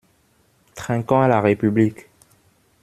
Trinquons à la République!